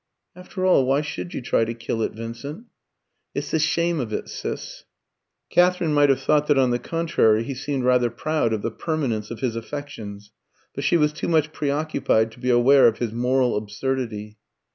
"After all, why should you try to kill it, Vincent?" "It's the shame of it, Sis." Katherine might have thought that on the contrary he seemed rather proud of the permanence of his affections, but she was too much preoccupied to be aware of his moral absurdity.